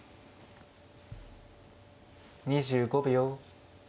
２５秒。